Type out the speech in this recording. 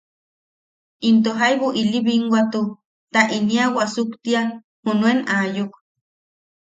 Into jaibu ili binwatu ta inia wuasuktia junuen aayuk.